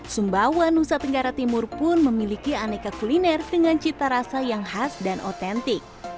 sumbawa nusa tenggara timur pun memiliki aneka kuliner dengan cita rasa yang khas dan otentik